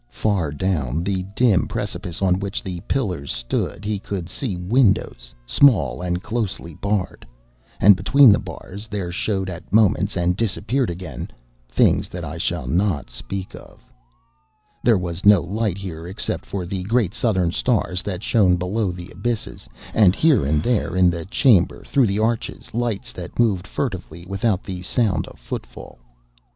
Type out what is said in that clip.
Far down the dim precipice on which the pillars stood he could see windows small and closely barred, and between the bars there showed at moments, and disappeared again, things that I shall not speak of. There was no light here except for the great Southern stars that shone below the abysses, and here and there in the chamber through the arches lights that moved furtively without the sound of footfall.